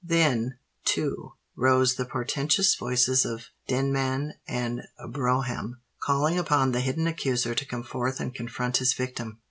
Then, too, rose the portentous voices of Denman and Brougham, calling upon the hidden accuser to come forth and confront his victim.